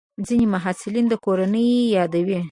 ځینې محصلین د کورنۍ یادوي.